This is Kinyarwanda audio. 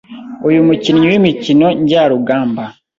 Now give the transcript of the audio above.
Uyu mukinnyi w’imikino njyarugamba